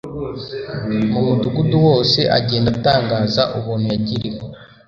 mu mudugudu wose agenda atangaza ubuntu yagiriwe.